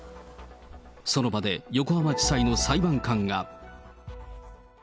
その場で横浜地裁の裁判官が。